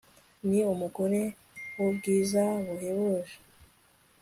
Ni umugore wubwiza buhebuje